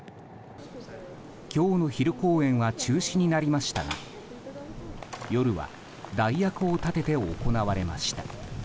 今日の昼公演は中止になりましたが夜は代役を立てて行われました。